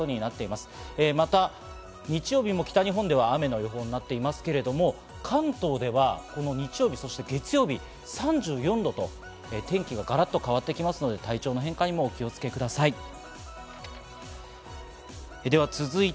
また日曜日も北日本では雨の予報になっていますけれども、関東ではこの日曜日、そして月曜日、３４度と天気がガラッと変わってきますので、体調の変化にもお気をつけください。